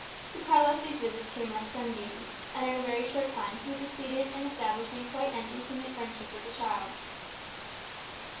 To Carlos these visits came like sunbeams; and in a very short time he succeeded in establishing quite an intimate friendship with the child.